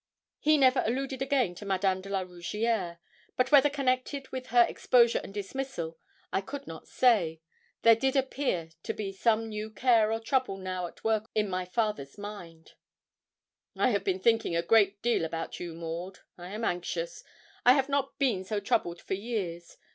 He never alluded again to Madame de la Rougierre. But whether connected with her exposure and dismissal, I could not say, there did appear to be some new care or trouble now at work in my father's mind. 'I have been thinking a great deal about you, Maud. I am anxious. I have not been so troubled for years.